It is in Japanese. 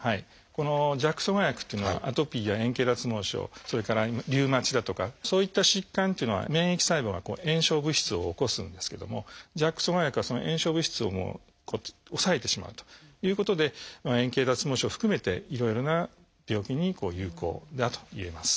このＪＡＫ阻害薬っていうのはアトピーや円形脱毛症それからリウマチだとかそういった疾患っていうのは免疫細胞が炎症物質を起こすんですけどもＪＡＫ阻害薬はその炎症物質を抑えてしまうということで円形脱毛症含めていろいろな病気に有効だといえます。